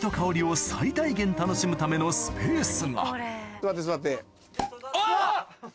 座って座って。